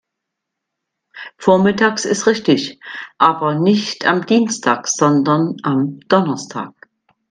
Vormittags ist richtig, aber nicht am Dienstag, sondern am Donnerstag.